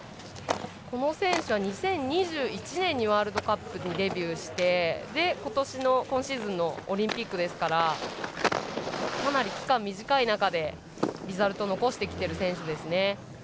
この選手は、２０２１年にワールドカップにデビューしてそれで今シーズンのオリンピックですからかなり期間が短い中でリザルトを残してきている選手。